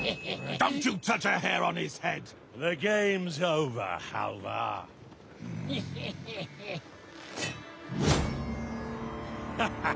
タハハハハ！